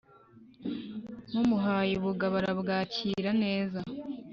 Mumuhaye ubugabo arabwakira neza